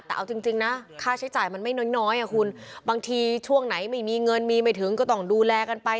แต่เอาจริงนะค่าใช้จ่ายมันไม่น้อยอ่ะคุณบางทีช่วงไหนไม่มีเงินมีไม่ถึงก็ต้องดูแลกันไป